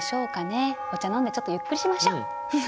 飲んでちょっとゆっくりしましょ！